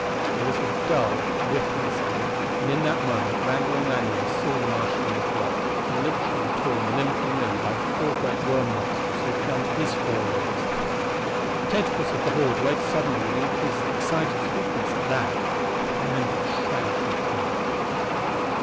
There was a dull ripping sound, and in that moment Randall and Lanier saw the Martian on the block torn literally limb from limb by the four great worm monsters who had held his four limbs! The tentacles of the horde waved suddenly with increased, excited swiftness at that. Randall shrank in horror.